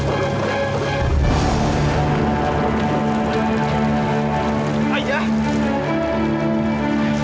susar susar susar